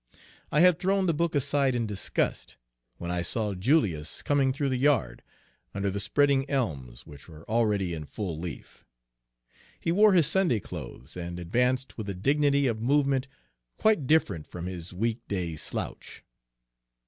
I had thrown the book aside in disgust, when I saw Julius coming through the yard, under the spreading elms, which were already in full leaf. He wore his Sunday clothes, and advanced with a dignity of movement quite different from his week day slouch.